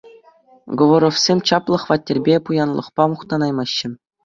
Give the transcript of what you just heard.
Говоровсем чаплӑ хваттерпе, пуянлӑхпа мухтанаймаҫҫӗ.